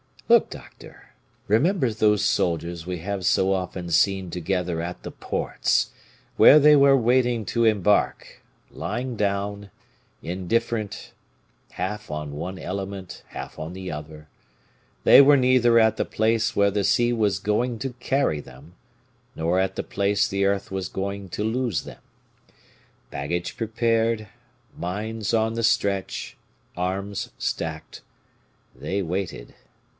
Look, doctor; remember those soldiers we have so often seen together at the ports, where they were waiting to embark; lying down, indifferent, half on one element, half on the other; they were neither at the place where the sea was going to carry them, nor at the place the earth was going to lose them; baggage prepared, minds on the stretch, arms stacked they waited.